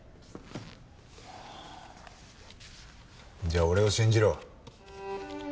じゃあ俺を信じろ。